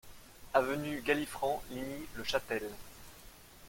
Avenue Galifranc, Ligny-le-Châtel